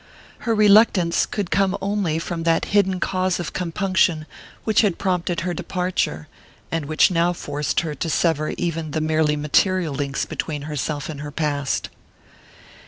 Her reluctance could come only from that hidden cause of compunction which had prompted her departure, and which now forced her to sever even the merely material links between herself and her past.